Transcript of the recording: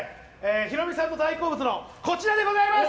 ヒロミさんの大好物のこちらでございます。